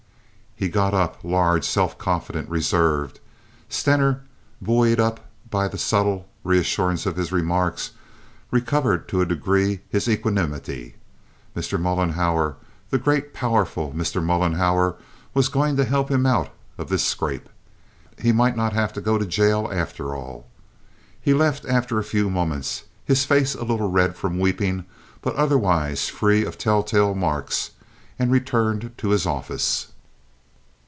He got up, large, self confident, reserved. Stener, buoyed up by the subtle reassurance of his remarks, recovered to a degree his equanimity. Mr. Mollenhauer, the great, powerful Mr. Mollenhauer was going to help him out of his scrape. He might not have to go to jail after all. He left after a few moments, his face a little red from weeping, but otherwise free of telltale marks, and returned to his office.